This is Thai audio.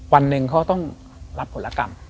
วันหนึ่งเขาต้องรับผลกรรม